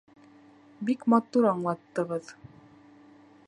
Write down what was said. Бик матур аңлаттығыҙ.